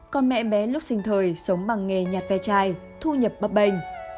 con mẹ bé lúc sinh thời sống bằng nghề nhạt ve chai thu nhập bắp bềnh